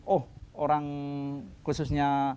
oh orang khususnya